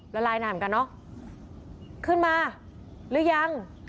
ละลายนานเหมือนกันเนอะขึ้นมาหรือยัง